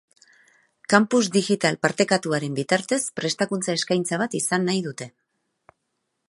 Campus Digital Partekatuaren bitartez prestakuntza-eskaintza bat izan nahi dute.